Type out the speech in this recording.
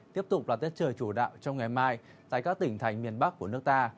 tiếp tục là tiết trời chủ đạo trong ngày mai tại các tỉnh thành miền bắc của nước ta